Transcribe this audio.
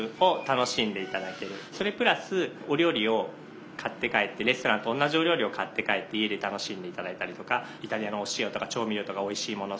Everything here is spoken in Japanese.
それプラスお料理を買って帰ってレストランと同じお料理を買って帰って家で楽しんで頂いたりとかイタリアのお塩とか調味料とかおいしいもの